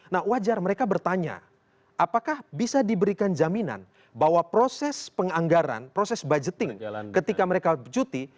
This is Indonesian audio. nah wajar mereka bertanya apakah bisa diberikan jaminan bahwa proses penganggaran proses budgeting ketika mereka cuti